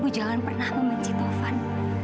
ibu jangan pernah membenci taufan